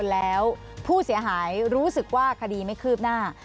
แล้วผู้เสียหายรู้สึกว่าคดีไม่คืบหน้า